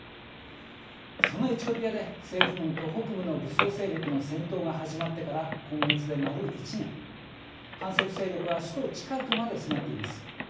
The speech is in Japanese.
そのエチオピアで政府軍と北部の武装勢力の戦闘が始まってから今月で丸１年、反政府勢力は首都近くまで迫っています。